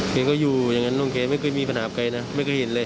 เขาก็อยู่ยังงั้นลงเกร่ไม่เคยมีก้อนหาแก๊วนะไม่เคยเห็นเลย